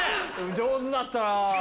上手だったなぁ。